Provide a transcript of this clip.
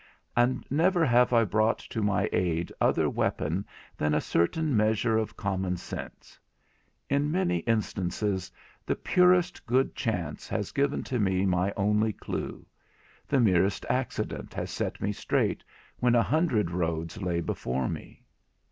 And never have I brought to my aid other weapon than a certain measure of common sense. In many instances the purest good chance has given to me my only clue; the merest accident has set me straight when a hundred roads lay before me.